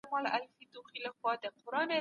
اسماني رنګ ډېر ښکلی دی.